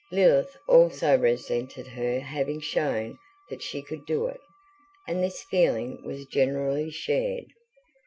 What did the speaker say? Lilith also resented her having shown that she could do it and this feeling was generally shared.